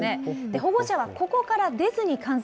保護者はここから出ずに観戦。